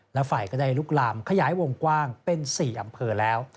และไฟก็ได้ลุกลามขยายวงกว้างเป็น๔อำเภอแล้ว